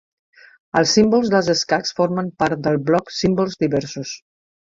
Els símbols dels escacs formen part del bloc Símbols diversos.